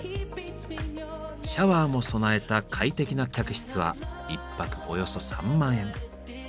シャワーも備えた快適な客室は１泊およそ３万円。